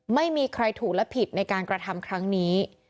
ไม่มีใครถูกและผิดในการกระทำครั้งนี้